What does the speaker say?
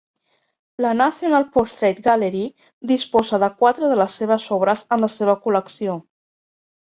La National Portrait Gallery disposa de quatre de les seves obres en la seva col·lecció.